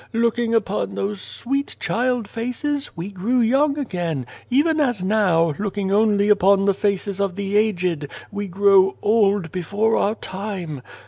Looking upon those sweet child faces, we grew young again, even as now, looking only upon the faces of the aged, we grow old before our time.